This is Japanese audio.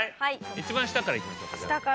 一番下からいきましょうか。